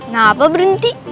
nah apa berhenti